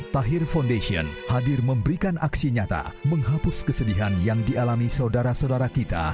tahir foundation hadir memberikan aksi nyata menghapus kesedihan yang dialami saudara saudara kita